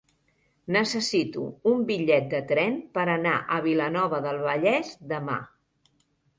Necessito un bitllet de tren per anar a Vilanova del Vallès demà.